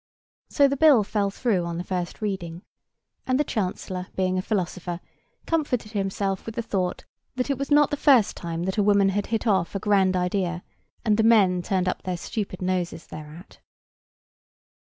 So the bill fell through on the first reading; and the Chancellor, being a philosopher, comforted himself with the thought that it was not the first time that a woman had hit off a grand idea and the men turned up their stupid noses thereat.